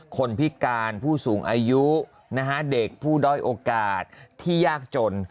คนพิการผู้สูงอายุเด็กผู้ด้อยโอกาสที่ยากจน